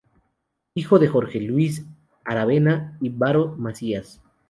Hijo de Jorge Luis Aravena y Varo Masías.